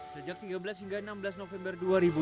sejak tiga belas hingga enam belas november dua ribu dua puluh